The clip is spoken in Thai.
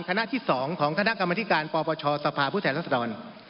ขณะที่สองของคณะกรมธิการปปชสภาพุทธแห่งลักษณ์ดอน